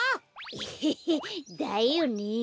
エヘヘだよねえ。